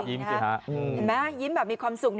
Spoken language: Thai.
เฮียเฎิ่มแบบมีความสุข